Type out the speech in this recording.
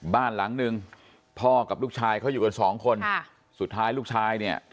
บ้านหลังหนึ่งพ่อกับลูกชายเขาอยู่กันสองคนค่ะสุดท้ายลูกชายเนี่ย